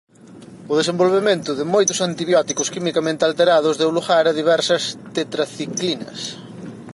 O desenvolvemento de moitos antibióticos quimicamente alterados deu lugar a diversas tetraciclinas.